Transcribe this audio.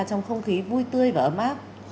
trong không khí vui tươi và ấm áp